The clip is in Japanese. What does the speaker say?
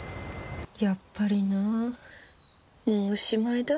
やっぱりなもうおしまいだ。